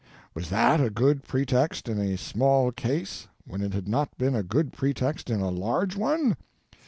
Was that a good pretext in a small case, when it had not been a good pretext in a large one?